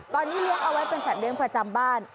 ตอนนี้เลี้ยงเอาไว้เป็นสัตว์เลี้ยงประจำบ้าน